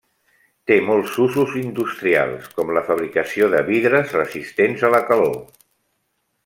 Té molts usos industrials, com la fabricació de vidres resistents a la calor.